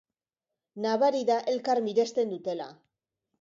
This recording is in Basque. Nabari da elkar miresten dutela.